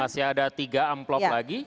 masih ada tiga amplop lagi